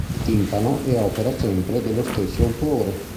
Il timpano è opera sempre dello stesso autore.